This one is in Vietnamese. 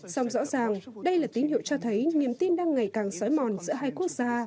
song rõ ràng đây là tín hiệu cho thấy niềm tin đang ngày càng sói mòn giữa hai quốc gia